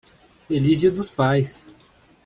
Feliz dia dos pais!